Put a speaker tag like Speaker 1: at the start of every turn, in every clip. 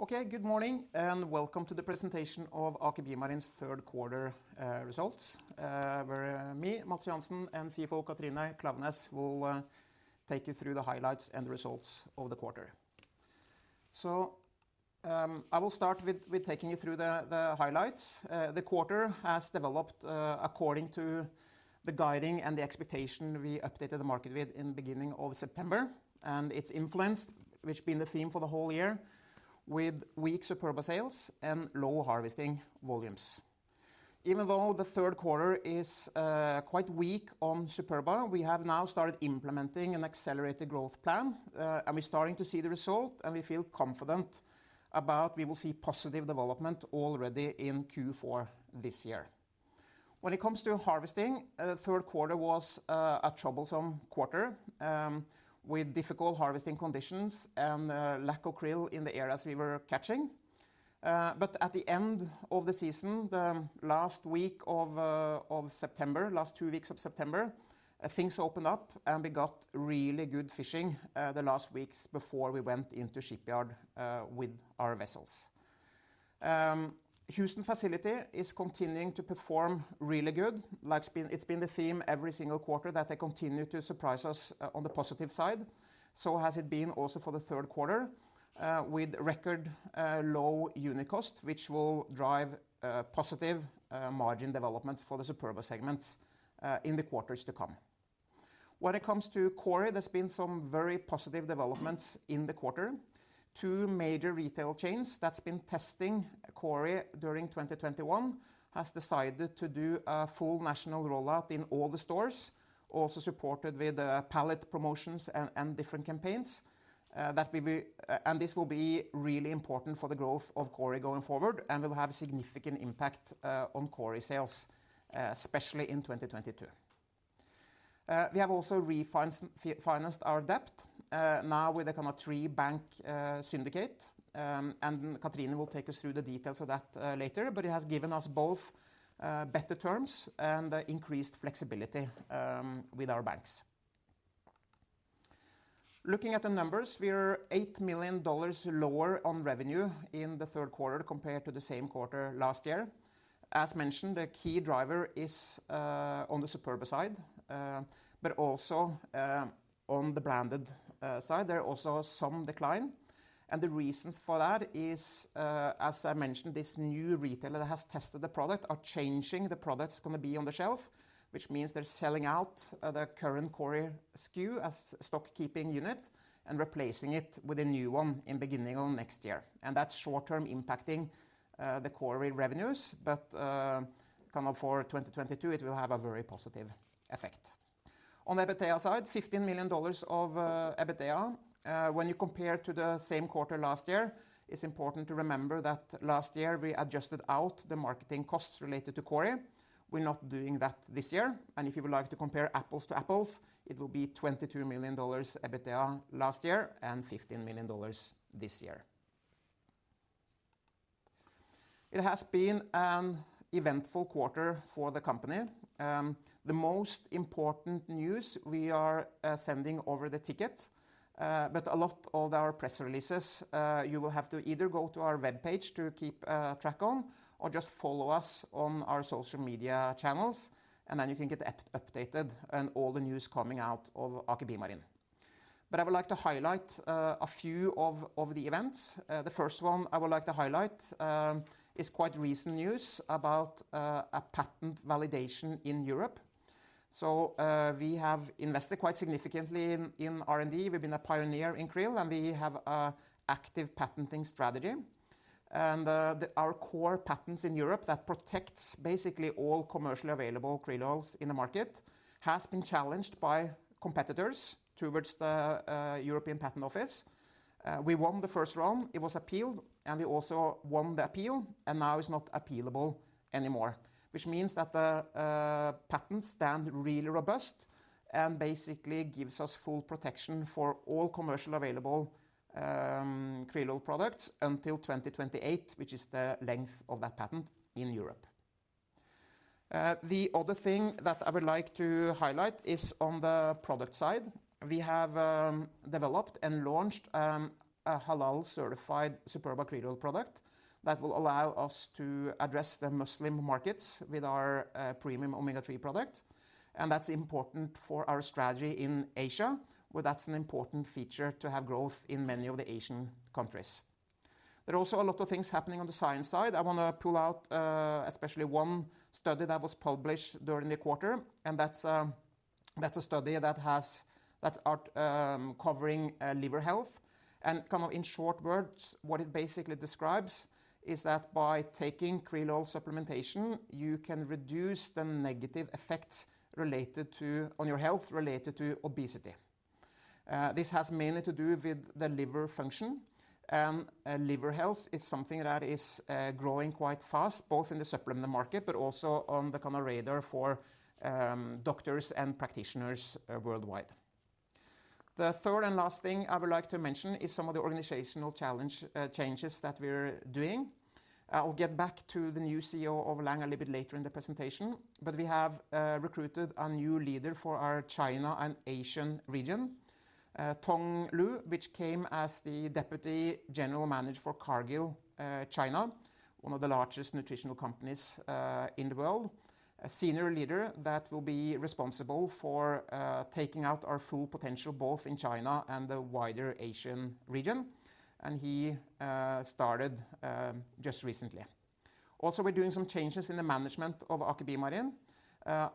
Speaker 1: Okay, good morning, and welcome to the presentation of Aker BioMarine's third quarter results. Where me, Matts Johansen, and CFO Katrine Klaveness will take you through the highlights and results of the quarter. I will start with taking you through the highlights. The quarter has developed according to the guiding and the expectation we updated the market with in the beginning of September, and it's influenced, which has been the theme for the whole year, with weak Superba sales and low harvesting volumes. Even though the third quarter is quite weak on Superba, we have now started implementing an accelerated growth plan, and we're starting to see the result, and we feel confident about we will see positive development already in Q4 this year. When it comes to harvesting, third quarter was a troublesome quarter with difficult harvesting conditions and lack of krill in the areas we were catching. At the end of the season, the last two weeks of September, things opened up, and we got really good fishing the last weeks before we went into shipyard with our vessels. Houston facility is continuing to perform really good. Like it's been the theme every single quarter that they continue to surprise us on the positive side. Has it been also for the third quarter with record low unit cost, which will drive positive margin developments for the Superba segments in the quarters to come. When it comes to Kori, there's been some very positive developments in the quarter. Two major retail chains that's been testing Kori during 2021 has decided to do a full national rollout in all the stores, also supported with pallet promotions and different campaigns, and this will be really important for the growth of Kori going forward and will have a significant impact on Kori sales, especially in 2022. We have also financed our debt now with a kind of three-bank syndicate, and Katrine will take us through the details of that later. It has given us both better terms and increased flexibility with our banks. Looking at the numbers, we're $8 million lower on revenue in the third quarter compared to the same quarter last year. As mentioned, the key driver is on the Superba side, but also on the branded side. There are also some decline, and the reasons for that is, as I mentioned, this new retailer that has tested the product are changing the product that's going to be on the shelf, which means they're selling out the current Kori SKU as stock keeping unit and replacing it with a new one in beginning of next year. That's short-term impacting the Kori revenues. Kind of for 2022, it will have a very positive effect. On EBITDA side, $15 million of EBITDA. When you compare to the same quarter last year, it's important to remember that last year we adjusted out the marketing costs related to Kori. We're not doing that this year, and if you would like to compare apples to apples, it will be $22 million EBITDA last year and $15 million this year. It has been an eventful quarter for the company. The most important news we are sending over the ticker, but a lot of our press releases, you will have to either go to our webpage to keep track on or just follow us on our social media channels, and then you can get updated on all the news coming out of Aker BioMarine. I would like to highlight a few of the events. The first one I would like to highlight is quite recent news about a patent validation in Europe. We have invested quite significantly in R&D. We've been a pioneer in krill, and we have a active patenting strategy. Our core patents in Europe that protects basically all commercially available krill oils in the market has been challenged by competitors towards the European Patent Office. We won the first round, it was appealed, and we also won the appeal, and now it's not appealable anymore, which means that the patents stand really robust and basically gives us full protection for all commercially available krill oil products until 2028, which is the length of that patent in Europe. The other thing that I would like to highlight is on the product side. We have developed and launched a Halal-certified Superba Krill Oil product that will allow us to address the Muslim markets with our premium omega-three product. That's important for our strategy in Asia, where that's an important feature to have growth in many of the Asian countries. There are also a lot of things happening on the science side. I want to pull out especially one study that was published during the quarter, and that's a study that covers liver health. Kind of in short words, what it basically describes is that by taking krill oil supplementation, you can reduce the negative effects related to your health related to obesity. This has mainly to do with the liver function. Liver health is something that is growing quite fast, both in the supplement market, but also on the kind of radar for doctors and practitioners worldwide. The third and last thing I would like to mention is some of the organizational challenges that we're doing. I will get back to the new CEO of Lang a little bit later in the presentation, but we have recruited a new leader for our China and Asian region, Tong Lu, who came as the Deputy General Manager for Cargill China, one of the largest nutritional companies in the world. A senior leader who will be responsible for taking out our full potential both in China and the wider Asian region, and he started just recently. Also, we're doing some changes in the management of Aker BioMarine.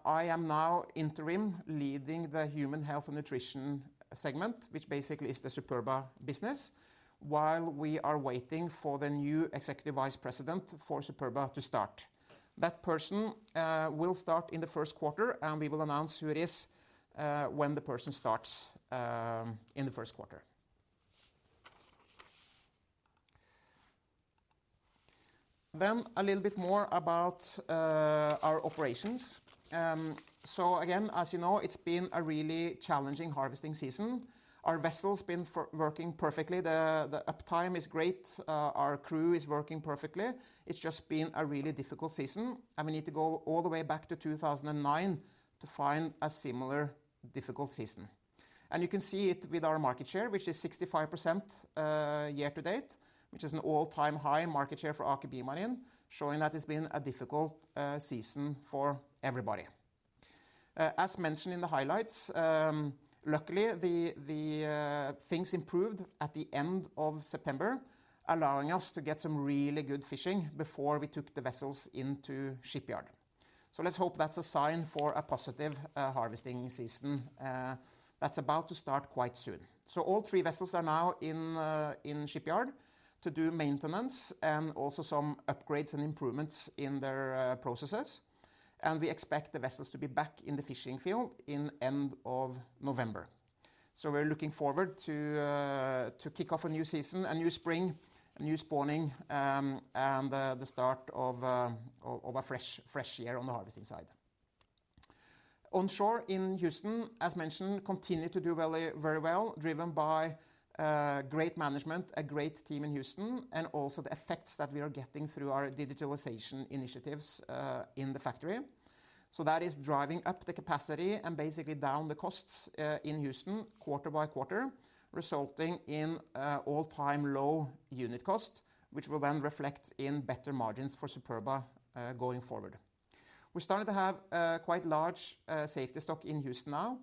Speaker 1: I am now interim leading the human health and nutrition segment, which basically is the Superba business, while we are waiting for the new executive vice president for Superba to start. That person will start in the first quarter, and we will announce who it is when the person starts in the first quarter. A little bit more about our operations. Again, as you know, it's been a really challenging harvesting season. Our vessel's been working perfectly. The uptime is great. Our crew is working perfectly. It's just been a really difficult season, and we need to go all the way back to 2009 to find a similar difficult season. You can see it with our market share, which is 65% year to date, which is an all-time high market share for Aker BioMarine, showing that it's been a difficult season for everybody. As mentioned in the highlights, luckily, the things improved at the end of September, allowing us to get some really good fishing before we took the vessels into shipyard. Let's hope that's a sign for a positive harvesting season that's about to start quite soon. All three vessels are now in shipyard to do maintenance and also some upgrades and improvements in their processes. We expect the vessels to be back in the fishing field in end of November. We're looking forward to kick off a new season, a new spring, a new spawning, and the start of a fresh year on the harvesting side. Onshore in Houston, as mentioned, continue to do very, very well, driven by great management, a great team in Houston, and also the effects that we are getting through our digitalization initiatives in the factory. That is driving up the capacity and basically down the costs in Houston quarter by quarter, resulting in all-time low unit cost, which will then reflect in better margins for Superba going forward. We started to have quite large safety stock in Houston now.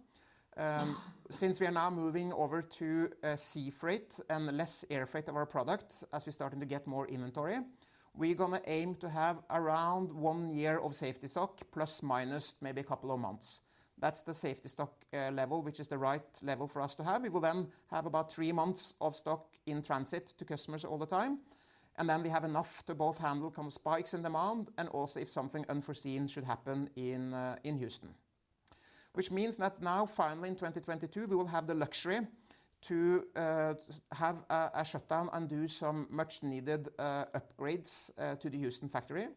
Speaker 1: Since we are now moving over to sea freight and less air freight of our products as we're starting to get more inventory, we're going to aim to have around one year of safety stock, plus minus maybe a couple of months. That's the safety stock level, which is the right level for us to have. We will then have about three months of stock in transit to customers all the time, and then we have enough to both handle kind of spikes in demand and also if something unforeseen should happen in Houston. Which means that now finally in 2022 we will have the luxury to have a shutdown and do some much-needed upgrades to the Houston factory.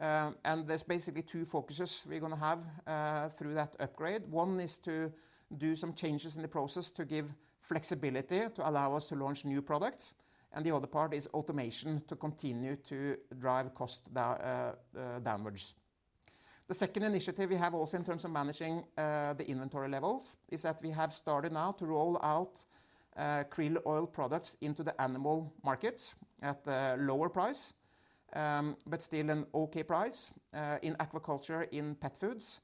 Speaker 1: There's basically two focuses we're going to have through that upgrade. One is to do some changes in the process to give flexibility to allow us to launch new products, and the other part is automation to continue to drive cost downwards. The second initiative we have also in terms of managing the inventory levels is that we have started now to roll out krill oil products into the animal markets at a lower price, but still an okay price, in aquaculture, in pet foods,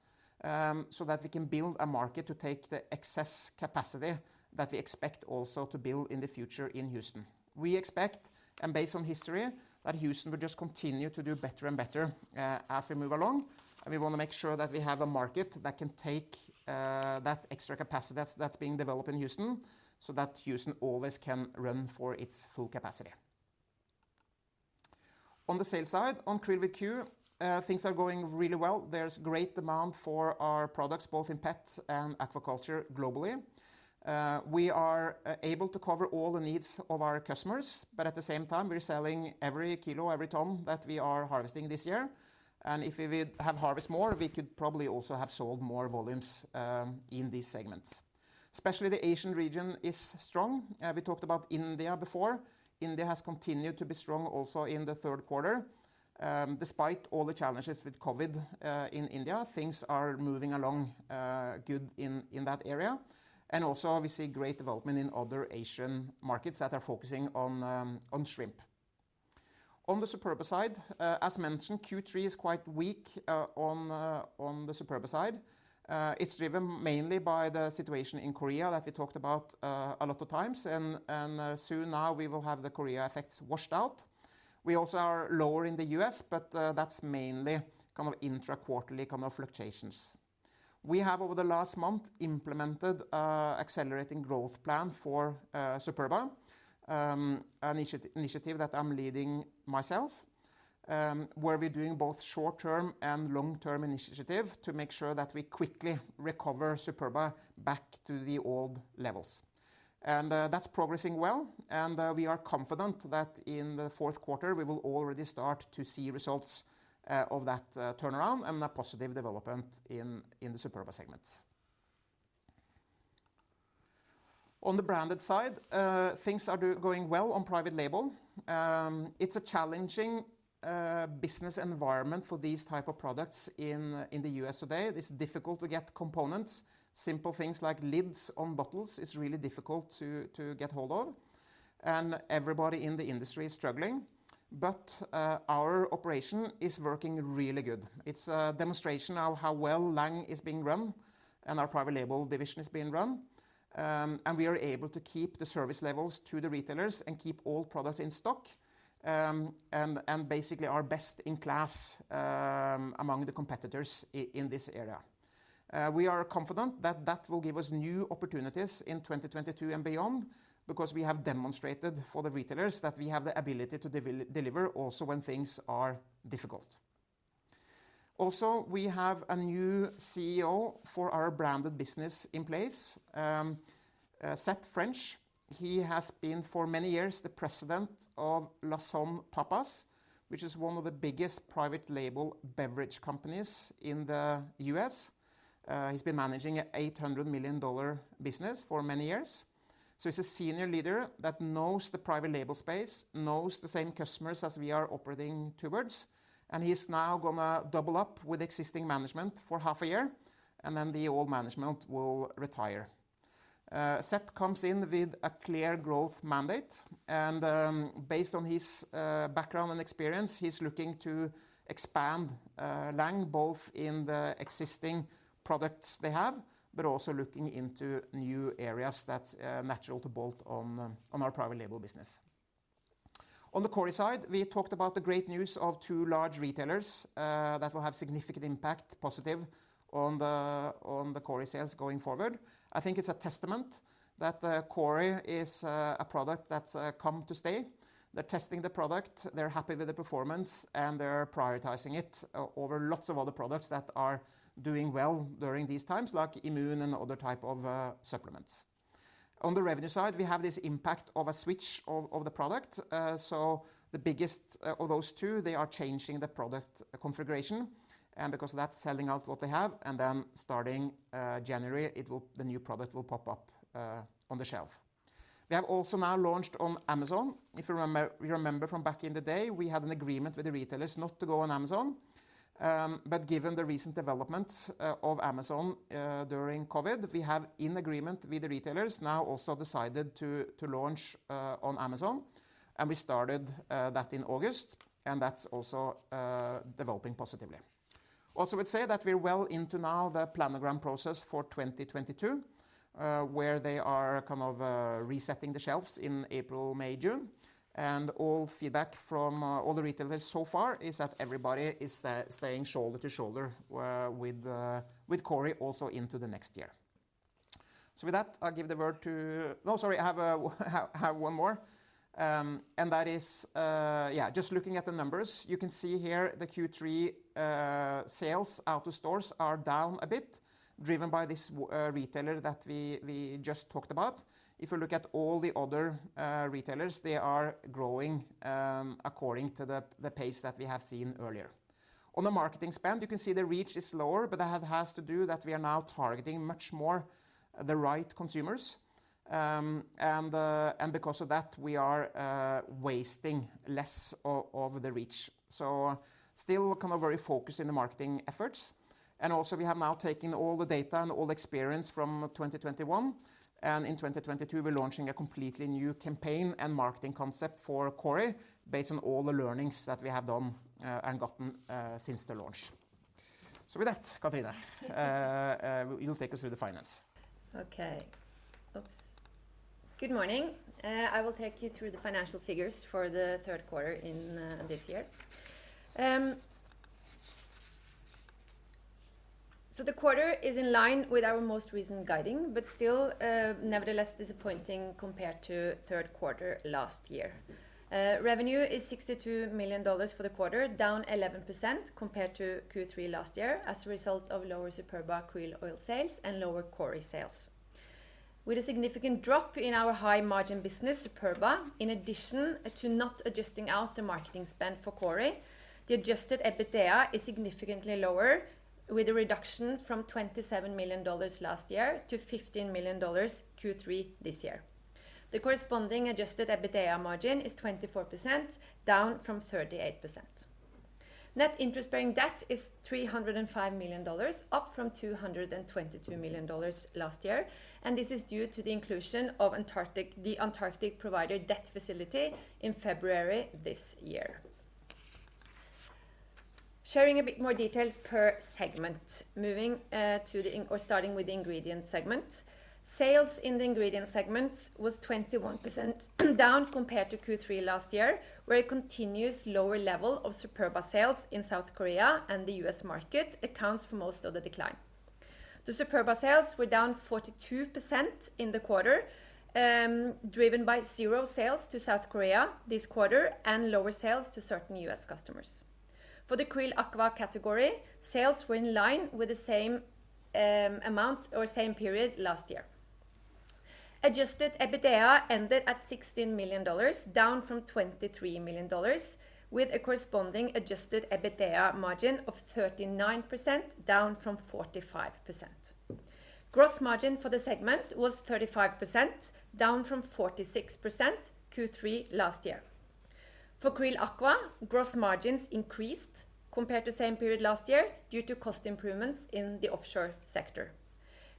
Speaker 1: so that we can build a market to take the excess capacity that we expect also to build in the future in Houston. We expect, and based on history, that Houston will just continue to do better and better, as we move along, and we want to make sure that we have a market that can take that extra capacity that's being developed in Houston so that Houston always can run for its full capacity. On the sales side, on QRILL, things are going really well. There's great demand for our products, both in pets and aquaculture globally. We are able to cover all the needs of our customers, but at the same time, we're selling every kilo, every ton that we are harvesting this year. If we would have harvest more, we could probably also have sold more volumes in these segments. Especially the Asian region is strong. We talked about India before. India has continued to be strong also in the third quarter. Despite all the challenges with COVID, in India, things are moving along good in that area. Also obviously great development in other Asian markets that are focusing on shrimp. On the Superba side, as mentioned, Q3 is quite weak, on the Superba side. It's driven mainly by the situation in Korea that we talked about a lot of times and soon now we will have the Korea effects washed out. We also are lower in the U.S., but that's mainly kind of intra-quarterly kind of fluctuations. We have, over the last month, implemented an accelerating growth plan for Superba, an initiative that I'm leading myself, where we're doing both short-term and long-term initiative to make sure that we quickly recover Superba back to the old levels. That's progressing well, and we are confident that in the fourth quarter, we will already start to see results of that turnaround and a positive development in the Superba segments. On the branded side, things are going well on private label. It's a challenging business environment for these type of products in the U.S. today. It is difficult to get components. Simple things like lids on bottles is really difficult to get hold of, and everybody in the industry is struggling. Our operation is working really good. It's a demonstration how well Lang is being run and our private label division is being run, and we are able to keep the service levels to the retailers and keep all products in stock, and basically our best in class among the competitors in this area. We are confident that that will give us new opportunities in 2022 and beyond, because we have demonstrated for the retailers that we have the ability to deliver also when things are difficult. We have a new CEO for our branded business in place. Seth French, he has been for many years the president of Lassonde Pappas, which is one of the biggest private label beverage companies in the U.S. He's been managing an $800 million business for many years. He's a senior leader that knows the private label space, knows the same customers as we are operating towards, and he's now going to double up with existing management for half a year, and then the old management will retire. Seth comes in with a clear growth mandate, and based on his background and experience, he's looking to expand Lang both in the existing products they have, but also looking into new areas that's natural to bolt on our private label business. On the Kori side, we talked about the great news of two large retailers that will have significant impact, positive, on the Kori sales going forward. I think it's a testament that Kori is a product that's come to stay. They're testing the product, they're happy with the performance, and they're prioritizing it over lots of other products that are doing well during these times, like immune and other type of supplements. On the revenue side, we have this impact of a switch of the product. So the biggest of those two, they are changing the product configuration, and because of that, selling out what they have, and then starting January, the new product will pop up on the shelf. We have also now launched on Amazon. If you remember from back in the day, we had an agreement with the retailers not to go on Amazon. But given the recent developments of Amazon during COVID, we have, in agreement with the retailers, now also decided to launch on Amazon. We started that in August, and that's also developing positively. I would say that we're well into now the planogram process for 2022, where they are kind of resetting the shelves in April, May, June. All feedback from all the retailers so far is that everybody is staying shoulder to shoulder with Kori also into the next year. No, sorry, I have one more. That is, yeah, just looking at the numbers. You can see here the Q3 sales out of stores are down a bit, driven by this retailer that we just talked about. If you look at all the other retailers, they are growing according to the pace that we have seen earlier. On the marketing spend, you can see the reach is lower, but it has to do that we are now targeting much more the right consumers. Because of that, we are wasting less of the reach. Still kind of very focused in the marketing efforts. Also we have now taken all the data and all experience from 2021, and in 2022, we're launching a completely new campaign and marketing concept for Kori based on all the learnings that we have done and gotten since the launch. Katrine, you'll take us through the finance.
Speaker 2: Good morning. I will take you through the financial figures for the third quarter in this year. The quarter is in line with our most recent guidance, but still, nevertheless disappointing compared to third quarter last year. Revenue is $62 million for the quarter, down 11% compared to Q3 last year as a result of lower Superba Krill Oil sales and lower Kori sales. With a significant drop in our high margin business, Superba, in addition to not adjusting out the marketing spend for Kori, the adjusted EBITDA is significantly lower with a reduction from $27 million last year to $15 million Q3 this year. The corresponding adjusted EBITDA margin is 24%, down from 38%. Net interest bearing debt is $305 million, up from $222 million last year, and this is due to the inclusion of the Antarctic Provider debt facility in February this year. Sharing a bit more details per segment. Moving to the ingredient segment. Sales in the ingredient segment was 21% down compared to Q3 last year, where a continuous lower level of Superba sales in South Korea and the U.S. market accounts for most of the decline. The Superba sales were down 42% in the quarter, driven by zero sales to South Korea this quarter and lower sales to certain U.S. customers. For the QRILL Aqua category, sales were in line with the same amount or same period last year. Adjusted EBITDA ended at $16 million, down from $23 million, with a corresponding adjusted EBITDA margin of 39%, down from 45%. Gross margin for the segment was 35%, down from 46% Q3 last year. For QRILL Aqua gross margins increased compared to same period last year due to cost improvements in the offshore sector.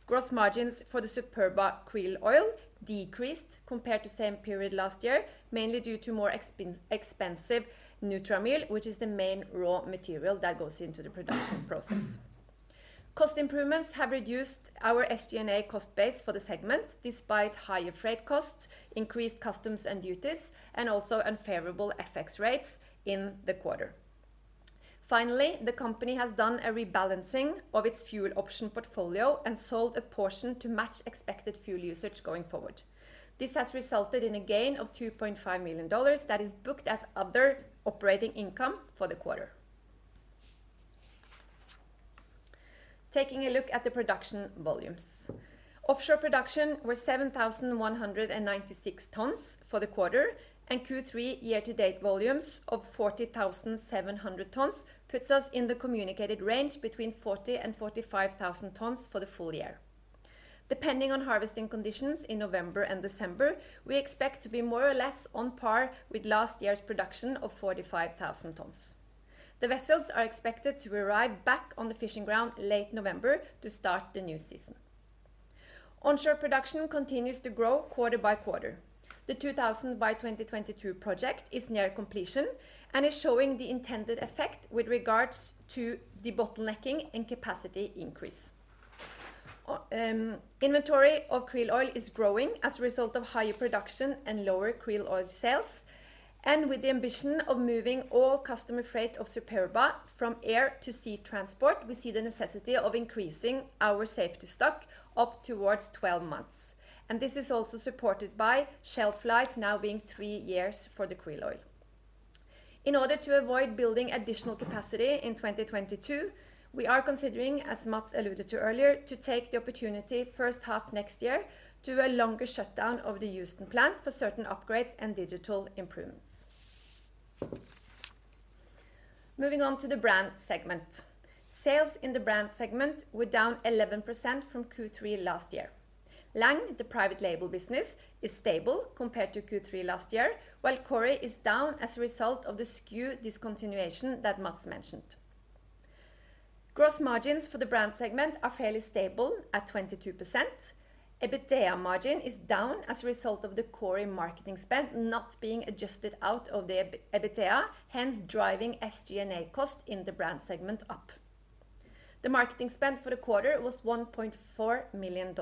Speaker 2: Gross margins for the Superba Krill Oil decreased compared to same period last year, mainly due to more expensive Nutramil, which is the main raw material that goes into the production process. Cost improvements have reduced our SG&A cost base for the segment despite higher freight costs, increased customs and duties, and also unfavorable FX rates in the quarter. Finally, the company has done a rebalancing of its fuel option portfolio and sold a portion to match expected fuel usage going forward. This has resulted in a gain of $2.5 million that is booked as other operating income for the quarter. Taking a look at the production volumes, offshore production was 7,196 tons for the quarter, and Q3 year-to-date volumes of 40,700 tons puts us in the communicated range between 40,000 tons and 45,000 tons for the full year. Depending on harvesting conditions in November and December, we expect to be more or less on par with last year's production of 45,000 tons. The vessels are expected to arrive back on the fishing ground late November to start the new season. Onshore production continues to grow quarter by quarter. The 2000 by 2022 project is near completion and is showing the intended effect with regards to the bottlenecking and capacity increase. Inventory of krill oil is growing as a result of higher production and lower krill oil sales, and with the ambition of moving all customer freight of Superba from air to sea transport, we see the necessity of increasing our safety stock up towards 12 months. This is also supported by shelf life now being three years for the krill oil. In order to avoid building additional capacity in 2022, we are considering, as Mats alluded to earlier, to take the opportunity first half next year, do a longer shutdown of the Houston plant for certain upgrades and digital improvements. Moving on to the brand segment. Sales in the brand segment were down 11% from Q3 last year. Lang, the private label business, is stable compared to Q3 last year, while Kori is down as a result of the SKU discontinuation that Mats mentioned. Gross margins for the brand segment are fairly stable at 22%. EBITDA margin is down as a result of the Kori marketing spend not being adjusted out of the EBITDA, hence driving SG&A cost in the brand segment up. The marketing spend for the quarter was $1.4 million.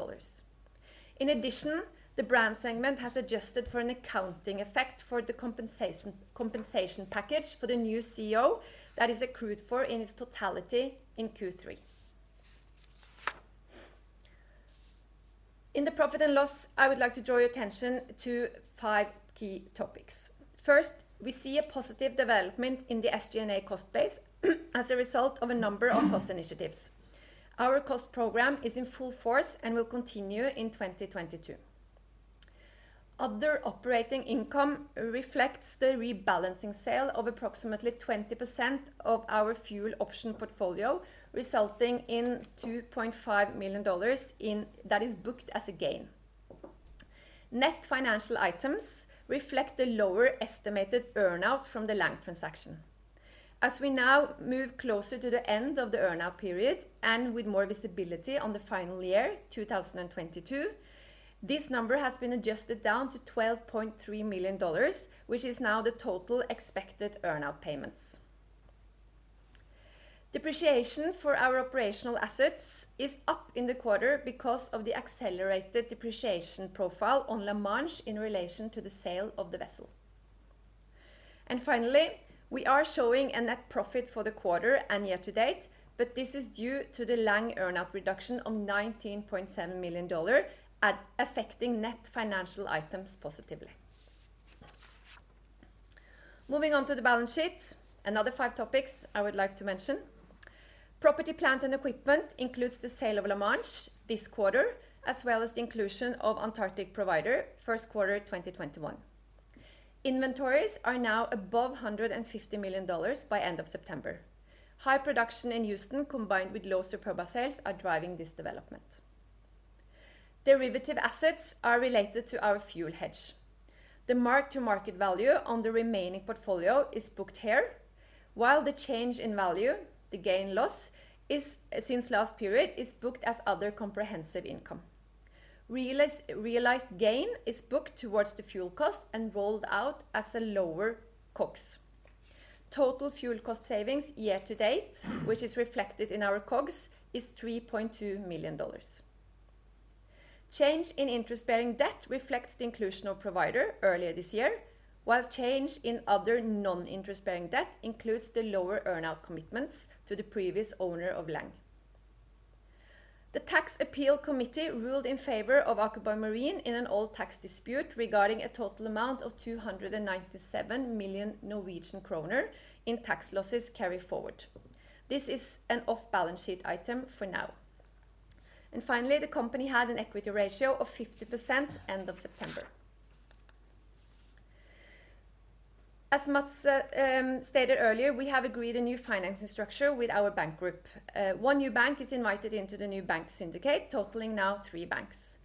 Speaker 2: In addition, the brand segment has adjusted for an accounting effect for the compensation package for the new CEO that is accrued for in its totality in Q3. In the profit and loss, I would like to draw your attention to five key topics. First, we see a positive development in the SG&A cost base as a result of a number of cost initiatives. Our cost program is in full force and will continue in 2022. Other operating income reflects the rebalancing sale of approximately 20% of our fuel option portfolio, resulting in $2.5 million that is booked as a gain. Net financial items reflect the lower estimated earn-out from the Lang transaction. As we now move closer to the end of the earn-out period, and with more visibility on the final year, 2022, this number has been adjusted down to $12.3 million, which is now the total expected earn-out payments. Depreciation for our operational assets is up in the quarter because of the accelerated depreciation profile on La Manche in relation to the sale of the vessel. Finally, we are showing a net profit for the quarter and year to date, but this is due to the Lang earn-out reduction of $19.7 million affecting net financial items positively. Moving on to the balance sheet, another five topics I would like to mention. Property, plant, and equipment includes the sale of La Manche this quarter, as well as the inclusion of Antarctic Provider first quarter 2021. Inventories are now above $150 million by end of September. High production in Houston combined with low Superba sales are driving this development. Derivative assets are related to our fuel hedge. The mark-to-market value on the remaining portfolio is booked here. While the change in value, the gain/loss, since last period is booked as other comprehensive income. Realized gain is booked towards the fuel cost and rolled out as a lower COGS. Total fuel cost savings year to date, which is reflected in our COGS, is $3.2 million. Change in interest-bearing debt reflects the inclusion of Provider earlier this year, while change in other non-interest-bearing debt includes the lower earn-out commitments to the previous owner of Lang. The Tax Appeals Board ruled in favor of Aker BioMarine in an old tax dispute regarding a total amount of 297 million Norwegian kroner in tax losses carry forward. This is an off-balance sheet item for now. Finally, the company had an equity ratio of 50% end of September. As Matts stated earlier, we have agreed a new financing structure with our bank group. One new bank is invited into the new bank syndicate, totaling now three banks.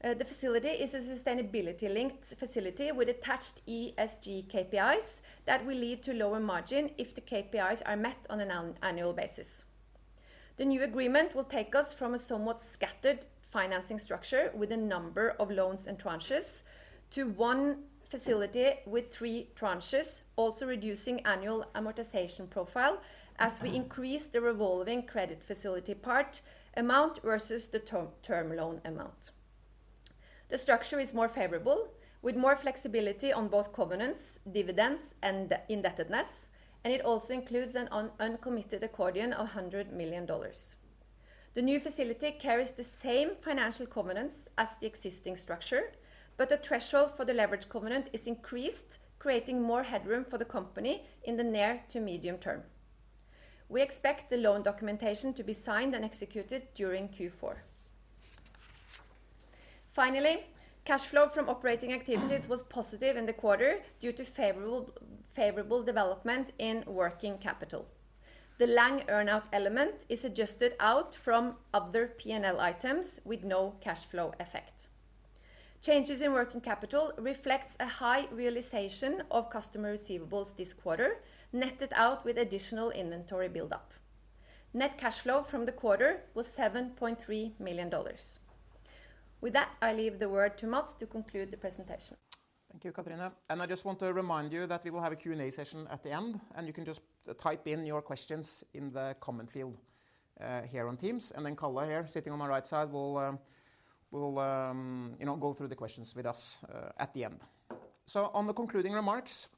Speaker 2: The facility is a sustainability-linked facility with attached ESG KPIs that will lead to lower margin if the KPIs are met on an annual basis. The new agreement will take us from a somewhat scattered financing structure with a number of loans and tranches to one facility with three tranches, also reducing annual amortization profile as we increase the revolving credit facility part amount versus the term loan amount. The structure is more favorable with more flexibility on both covenants, dividends, and de-indebtedness, and it also includes an uncommitted accordion of $100 million. The new facility carries the same financial covenants as the existing structure, but the threshold for the leverage covenant is increased, creating more headroom for the company in the near to medium-term. We expect the loan documentation to be signed and executed during Q4. Finally, cash flow from operating activities was positive in the quarter due to favorable development in working capital. The Lang earn-out element is adjusted out from other P&L items with no cash flow effect. Changes in working capital reflects a high realization of customer receivables this quarter, netted out with additional inventory buildup. Net cash flow from the quarter was $7.3 million. With that, I leave the word to Matts to conclude the presentation.
Speaker 1: Thank you, Katrine. I just want to remind you that we will have a Q&A session at the end, and you can just type in your questions in the comment field here on Teams. Then Kalle here sitting on my right side will you know go through the questions with us at the end. On the concluding remarks,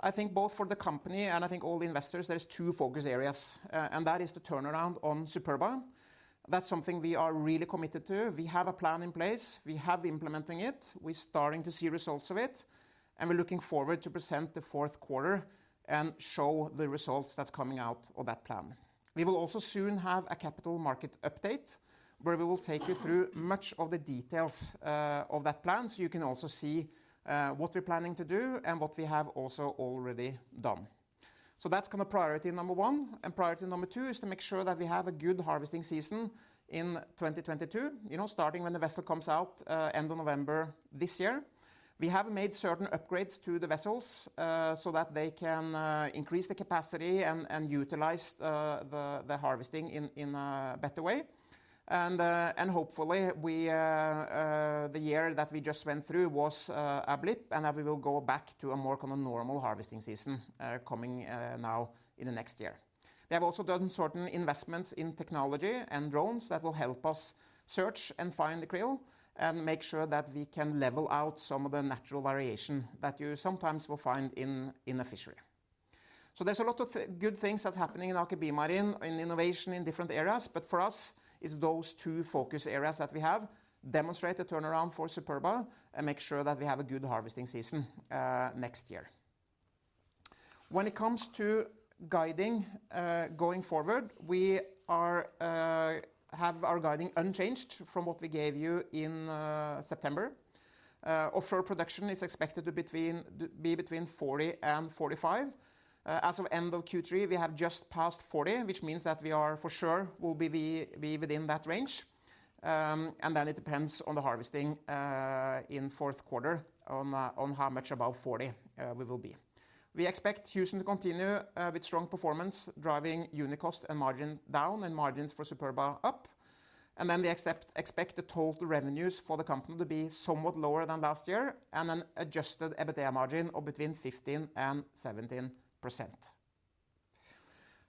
Speaker 1: I think both for the company and I think all the investors, there's two focus areas and that is the turnaround on Superba. That's something we are really committed to. We have a plan in place. We have implementing it. We're starting to see results of it, and we're looking forward to present the fourth quarter and show the results that's coming out of that plan. We will also soon have a capital market update where we will take you through much of the details of that plan, so you can also see what we're planning to do and what we have also already done. That's kind of priority number one, and priority number two is to make sure that we have a good harvesting season in 2022, you know, starting when the vessel comes out end of November this year. We have made certain upgrades to the vessels so that they can increase the capacity and utilize the harvesting in a better way. Hopefully, the year that we just went through was a blip and that we will go back to a more kind of normal harvesting season coming now in the next year. We have also done certain investments in technology and drones that will help us search and find the krill and make sure that we can level out some of the natural variation that you sometimes will find in a fishery. There's a lot of good things that's happening in Aker BioMarine in innovation in different areas. For us it's those two focus areas that we have. Demonstrate the turnaround for Superba and make sure that we have a good harvesting season next year. When it comes to guiding going forward, we have our guiding unchanged from what we gave you in September. Offshore production is expected to be between 40 and 45. As of end of Q3, we have just passed 40, which means that we will be within that range. It depends on the harvesting in fourth quarter on how much above 40 we will be. We expect Houston to continue with strong performance driving unit cost and margin down and margins for Superba up. We expect the total revenues for the company to be somewhat lower than last year and an adjusted EBITDA margin of between 15% and 17%.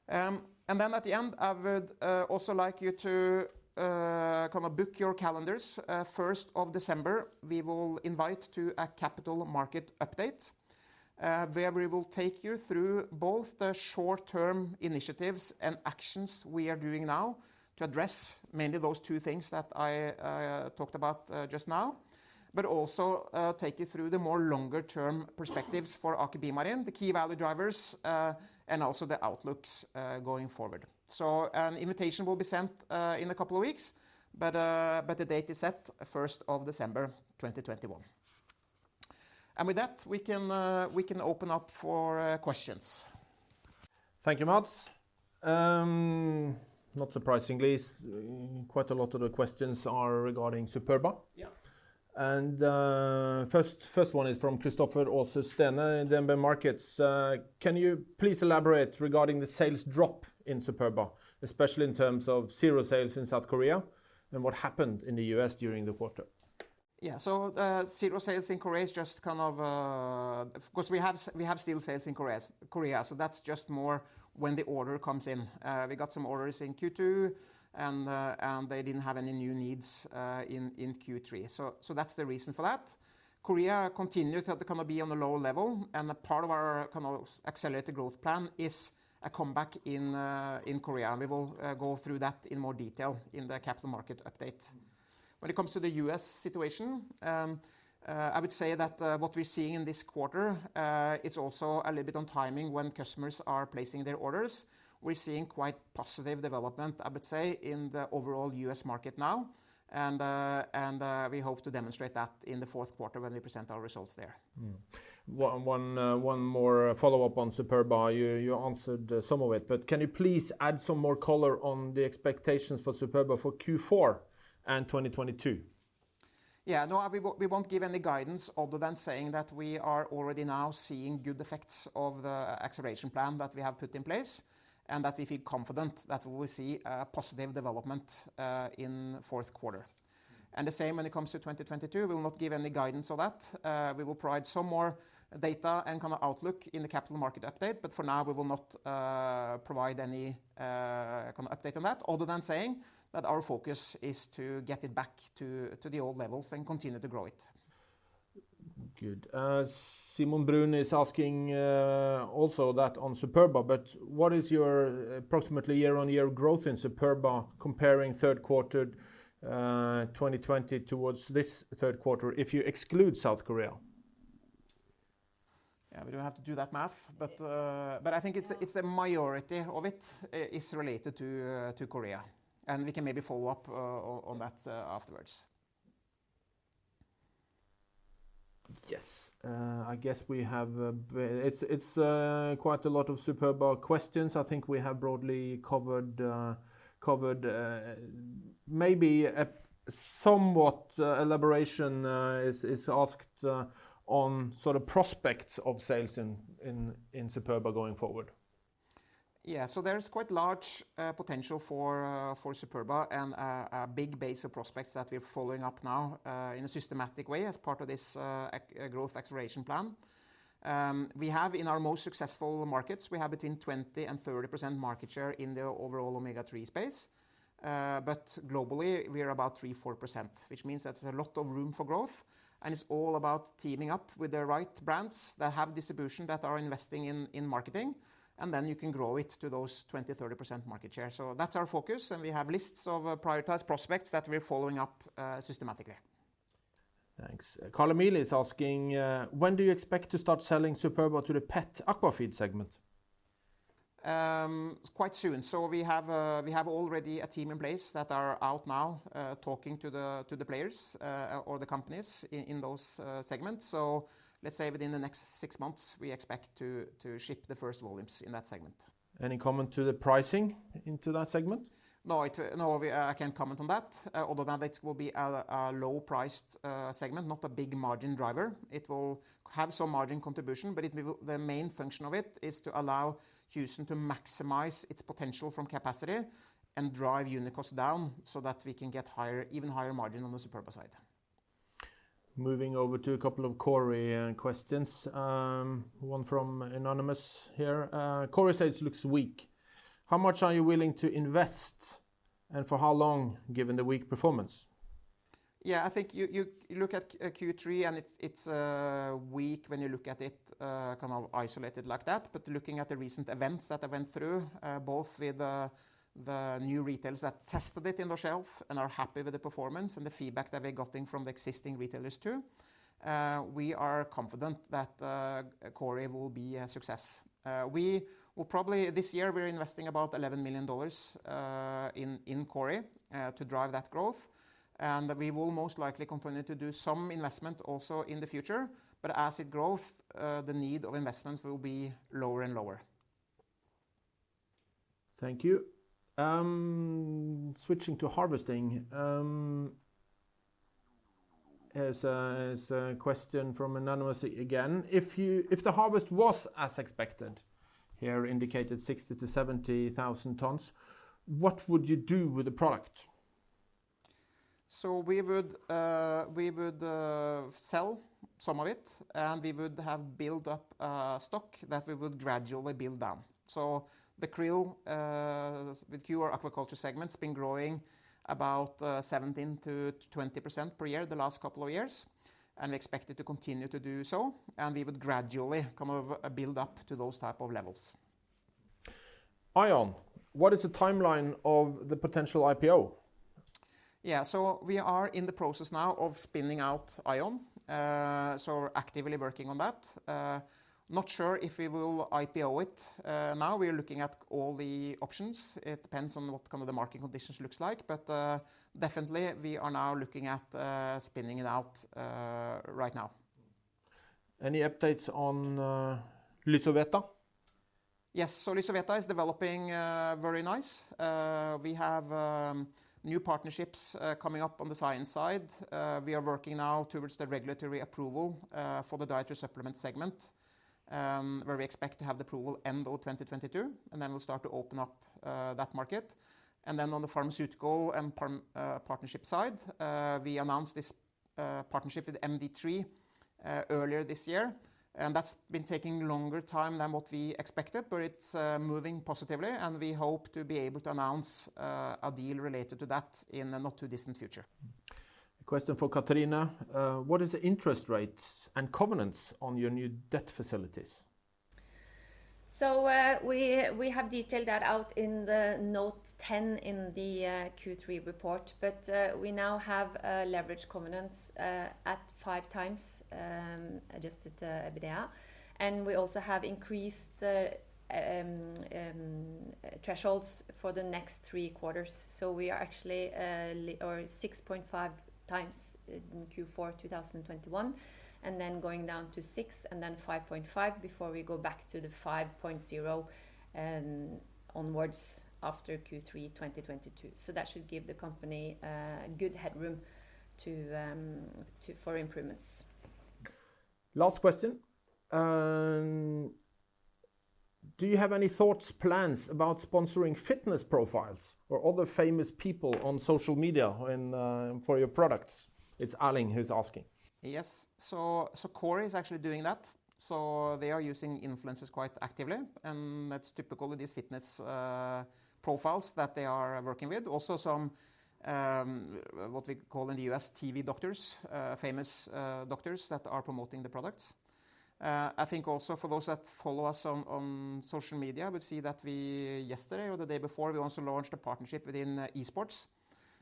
Speaker 1: At the end, I would also like you to kind of book your calendars. December 1st, we will invite to a capital market update, where we will take you through both the short-term initiatives and actions we are doing now to address mainly those two things that I talked about just now, but also take you through the more longer term perspectives for Aker BioMarine, the key value drivers, and also the outlooks going forward. An invitation will be sent in a couple of weeks. The date is set as December 1s, 2021. With that, we can open up for questions.
Speaker 3: Thank you, Matts. Not surprisingly, quite a lot of the questions are regarding Superba. First one is from [Kristoffer Olsen, DNB Markets]. Can you please elaborate regarding the sales drop in Superba, especially in terms of zero sales in South Korea and what happened in the U.S. during the quarter?
Speaker 1: Of course, we have still sales in Korea, so that's just more when the order comes in. We got some orders in Q2 and they didn't have any new needs in Q3. That's the reason for that. Korea continued to kind of be on the lower level, and a part of our kind of accelerated growth plan is a comeback in Korea. We will go through that in more detail in the capital market update. When it comes to the U.S. situation, I would say that what we're seeing in this quarter, it's also a little bit on timing when customers are placing their orders. We're seeing quite positive development, I would say, in the overall U.S. market now. We hope to demonstrate that in the fourth quarter when we present our results there.
Speaker 3: One more follow-up on Superba. You answered some of it, but can you please add some more color on the expectations for Superba for Q4 and 2022?
Speaker 1: Yeah, no, we won't give any guidance other than saying that we are already now seeing good effects of the acceleration plan that we have put in place, and that we feel confident that we will see a positive development in fourth quarter. The same when it comes to 2022, we will not give any guidance on that. We will provide some more data and kind of outlook in the capital market update. For now, we will not provide any kind of update on that, other than saying that our focus is to get it back to the old levels and continue to grow it.
Speaker 3: Good. [Simon Brune] is asking also that on Superba, but what is your approximately year-on-year growth in Superba comparing third quarter 2020 to this third quarter if you exclude South Korea?
Speaker 1: Yeah, we don't have to do that math. I think it's a majority of it is related to Korea. We can maybe follow up on that afterwards.
Speaker 3: It's quite a lot of Superba questions. I think we have broadly covered. Maybe a somewhat elaboration is asked on sort of prospects of sales in Superba going forward.
Speaker 1: Yeah. There's quite large potential for Superba and a big base of prospects that we're following up now in a systematic way as part of this growth acceleration plan. We have in our most successful markets between 20% and 30% market share in the overall omega-3 space. But globally, we are about 3%, 4%, which means that there's a lot of room for growth, and it's all about teaming up with the right brands that have distribution that are investing in marketing, and then you can grow it to those 20%, 30% market share. That's our focus, and we have lists of prioritized prospects that we're following up systematically.
Speaker 3: Thanks. [Carlo Mealy] is asking, "When do you expect to start selling Superba to the pet and aqua feed segment?
Speaker 1: Quite soon. We have already a team in place that are out now, talking to the players or the companies in those segments. Let's say within the next six months, we expect to ship the first volumes in that segment.
Speaker 3: Any comment to the pricing into that segment?
Speaker 1: No, I can't comment on that. Although that it will be a low-priced segment, not a big margin driver. It will have some margin contribution, but the main function of it is to allow Houston to maximize its potential from capacity and drive unit costs down so that we can get higher, even higher margin on the Superba side.
Speaker 3: Moving over to a couple of Kori questions. One from anonymous here. Kori sales looks weak. How much are you willing to invest, and for how long, given the weak performance?
Speaker 1: Yeah, I think you look at Q3, and it's weak when you look at it kind of isolated like that. Looking at the recent events that I went through both with the new retailers that tested it on the shelf and are happy with the performance and the feedback that we're getting from the existing retailers too, we are confident that Kori will be a success. We will probably. This year, we're investing about $11 million in Kori to drive that growth. We will most likely continue to do some investment also in the future. As it grows, the need for investment will be lower and lower.
Speaker 3: Thank you. Switching to harvesting, there is a question from anonymous again. If the harvest was as expected, here indicated 60,000 tons-70,000 tons, what would you do with the product?
Speaker 1: We would sell some of it, and we would have built up a stock that we would gradually build down. The QRILL Aqua segment's been growing about 17%-20% per year the last couple of years, and expected to continue to do so. We would gradually kind of build up to those type of levels.
Speaker 3: AION, what is the timeline of the potential IPO?
Speaker 1: Yeah. We are in the process now of spinning out AION. We're actively working on that. Not sure if we will IPO it. Now we are looking at all the options. It depends on what kind of the market conditions looks like. Definitely, we are now looking at spinning it out right now.
Speaker 3: Any updates on LYSOVETA?
Speaker 1: Yes. LYSOVETA is developing very nice. We have new partnerships coming up on the science side. We are working now towards the regulatory approval for the dietary supplement segment, where we expect to have the approval end of 2022, and then we'll start to open up that market. On the pharmaceutical partnership side, we announced this partnership with MD3 earlier this year. That's been taking longer time than what we expected, but it's moving positively, and we hope to be able to announce a deal related to that in the not too distant future.
Speaker 3: A question for Katrine Klaveness. What is the interest rates and covenants on your new debt facilities?
Speaker 2: We have detailed that out in note 10 in the Q3 report. We now have leverage covenants at 5x adjusted EBITDA. We also have increased the thresholds for the next three quarters. We are actually 6.5x in Q4 2021, and then going down to 6x and then 5.5x before we go back to the 5.0x onwards after Q3 2022. That should give the company good headroom for improvements.
Speaker 3: Last question. Do you have any thoughts, plans about sponsoring fitness profiles or other famous people on social media in, for your products? It's [Arling] who's asking.
Speaker 1: Yes. Kori is actually doing that. They are using influencers quite actively, and that's typical with these fitness profiles that they are working with. Also some what we call in the U.S., TV doctors, famous doctors that are promoting the products. I think also for those that follow us on social media will see that we yesterday or the day before, we also launched a partnership within esports,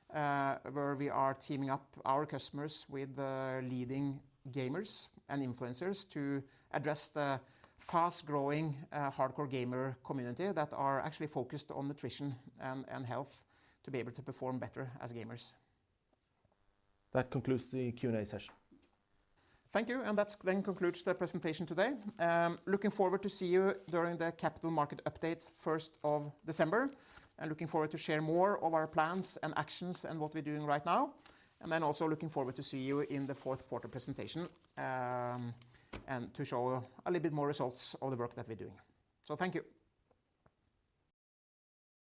Speaker 1: where we are teaming up our customers with the leading gamers and influencers to address the fast-growing hardcore gamer community that are actually focused on nutrition and health to be able to perform better as gamers.
Speaker 3: That concludes the Q&A session.
Speaker 1: Thank you, that then concludes the presentation today. Looking forward to see you during the capital market updates first of December, and looking forward to share more of our plans and actions and what we're doing right now. Looking forward to see you in the fourth quarter presentation, and to show a little bit more results of the work that we're doing. Thank you.